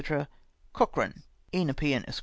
Cochrane. " E. Nepean, Esq.